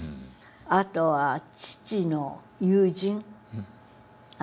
あとは父の友人。